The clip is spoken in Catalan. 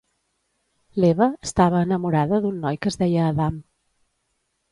L'Eva estava enamorada d'un noi que es deia Adam.